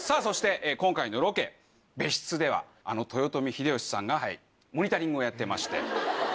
そして今回のロケ別室ではあの豊臣秀吉さんがモニタリングをやってまして。